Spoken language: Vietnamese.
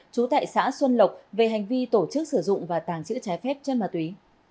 trú tại xã xuân lộc về hành vi tổ chức sử dụng và tàng trữ trái phép chân ma túy